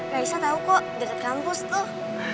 raisa tahu kok dekat kampus tuh